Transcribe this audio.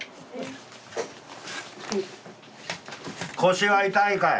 腰は痛いかい？